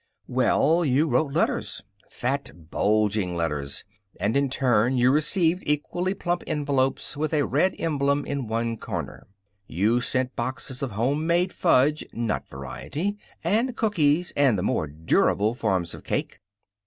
Well, you wrote letters fat, bulging letters and in turn you received equally plump envelopes with a red emblem in one corner. You sent boxes of homemade fudge (nut variety) and cookies and the more durable forms of cake.